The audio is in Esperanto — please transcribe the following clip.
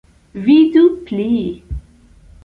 Vidu pli.